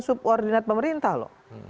subordinat pemerintah loh